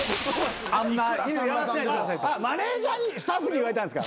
マネジャーにスタッフに言われたんですか？